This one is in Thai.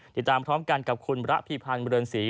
ติดตามพร้อมกันกับคุณระพีพันธ์เรือนศรี